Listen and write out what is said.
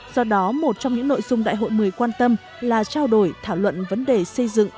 do đó một trong những nội dung đại hội một mươi quan tâm là trao đổi thảo luận vấn đề xây dựng